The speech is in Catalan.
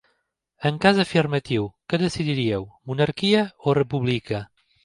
En cas afirmatiu, què decidiríeu: monarquia o república?